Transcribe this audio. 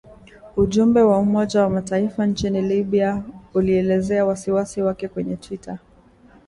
Ujumbe wa Umoja wa Mataifa nchini Libya ulielezea wasiwasi wake kwenye twita